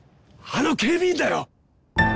あの警備員だよ！